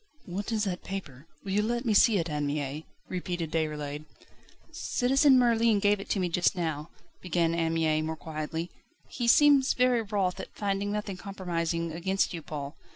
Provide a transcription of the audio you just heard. "What is that paper? Will you let me see it, Anne Mie?" repeated Déroulède. "Citizen Merlin gave it to me just now," began Anne Mie more quietly; "he seems very wroth at finding nothing compromising against you, Paul.